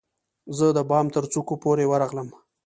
زه د بام ترڅوکو پورې ورغلم